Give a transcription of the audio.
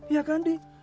iya kan di